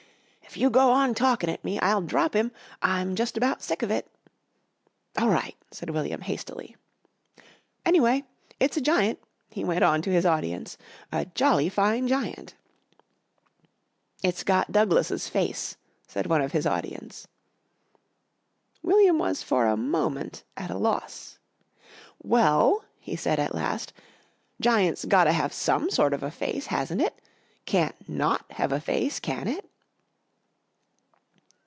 "If you go on talkin' at me, I'll drop him. I'm just about sick of it." "All right," said William hastily. "Anyway it's a giant," he went on to his audience. "A jolly fine giant." "It's got Douglas's face," said one of his audience. William was for a moment at a loss. "Well," he said at last, "giant's got to have some sort of a face, hasn't it? Can't not have a face, can it?"